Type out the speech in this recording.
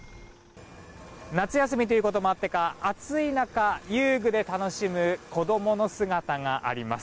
夏休みということもあってか暑い中、遊具で楽しむ子供の姿があります。